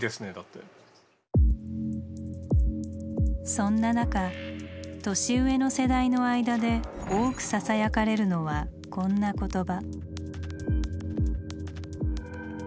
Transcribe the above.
そんな中年上の世代の間で多くささやかれるのはこんな言葉。